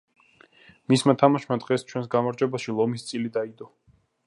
მისმა თამაშმა დღეს ჩვენს გამარჯვებაში ლომის წილი დაიდო.